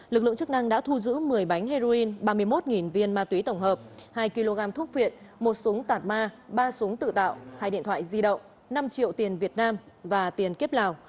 lực lượng chức năng đã thu giữ một mươi bánh heroin ba mươi một viên ma túy tổng hợp hai kg thuốc viện một súng tản ma ba súng tự tạo hai điện thoại di động năm triệu tiền việt nam và tiền kiếp lào